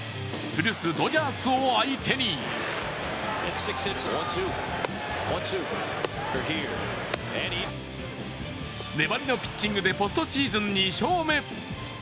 古巣・ドジャースを相手に粘りのピッチングでポストシーズン２勝目。